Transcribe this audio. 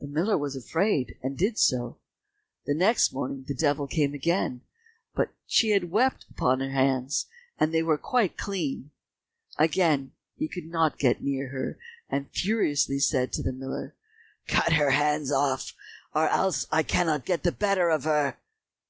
The miller was afraid, and did so. The next morning the devil came again, but she had wept on her hands, and they were quite clean. Again he could not get near her, and furiously said to the miller, "Cut her hands off, or else I cannot get the better of her."